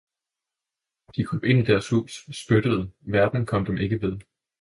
De krøb ind i deres hus, spyttede, verden kom ikke dem ved